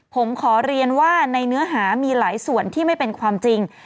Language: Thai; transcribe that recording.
ผมขอเรียนว่าในเนื้อหามีหลายส่วนที่ไม่เป็นความจริง